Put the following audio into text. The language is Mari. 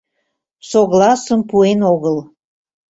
Согласым пуэн огыл...